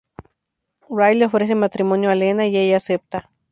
Ray le ofrece matrimonio a Lena y ella acepta.